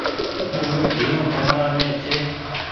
اوئي ۮييون ڪمرآ مين ڇي۔